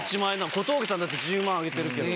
小峠さんだって「１０万」上げてるけど。